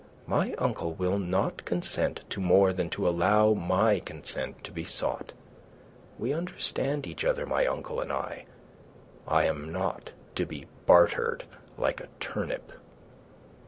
My uncle will not consent to more than to allow my consent to be sought. We understand each other, my uncle and I. I am not to be bartered like a turnip."